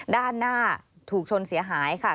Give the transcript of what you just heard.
ด้านหน้าถูกชนเสียหายค่ะ